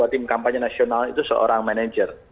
tim kampanye nasional itu seorang manajer